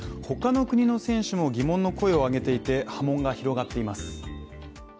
他の国の選手も疑問の声を上げていて波紋が広がっています。